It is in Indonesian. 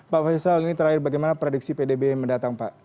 pak faisal ini terakhir bagaimana prediksi pdb mendatang pak